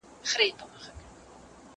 چې له مادي بهیرونو څخه بېنیازه واوسي.